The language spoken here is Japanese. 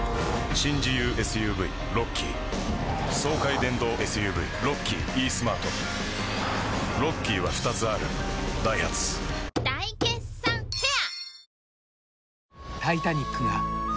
新自由ＳＵＶロッキー爽快電動ＳＵＶロッキーイースマートロッキーは２つあるダイハツ大決算フェア